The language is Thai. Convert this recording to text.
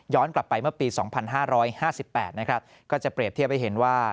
ย้อนกลับไปเมื่อปีสองพันห้าร้อยห้าสิบแปดนะครับก็จะเปรียบเทียบให้เห็นว่า